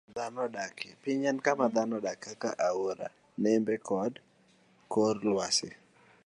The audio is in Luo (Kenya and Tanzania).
Piny en kama dhano odakie, kaka lowo, aoche, nembe, kod kor lwasi.